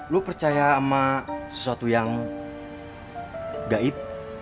lu percaya sama sesuatu yang gaib